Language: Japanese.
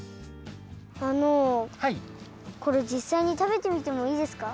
あのこれじっさいにたべてみてもいいですか？